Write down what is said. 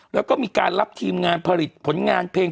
แล้วก็มีการรับทีมงานผลิตผลงานเพลง